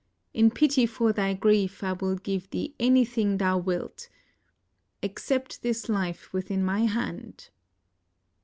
In pity for thy grief I will give thee anything thou wilt — except this Ufe within my hand."